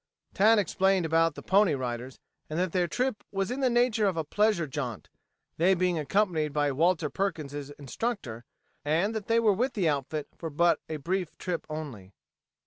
Tad explained about the Pony Riders, and that their trip was in the nature of a pleasure jaunt, they being accompanied by Walter Perkins's instructor and that they were with the outfit for a brief trip only.